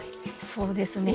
そうですね。